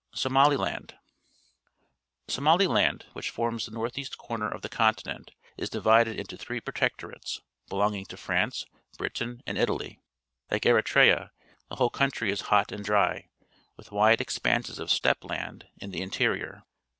SOMALILAND r^ Somaliland, which forms the north east corner of the continent, is divided into three protectorates, belonging to France, Britain, and Italy. Like Eritrea, the whole country is hot and dry, with wide expanses of steppe land in the interior.